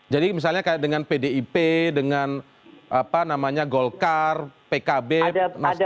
jadi misalnya kayak dengan pdip dengan apa namanya golkar pkb nasdam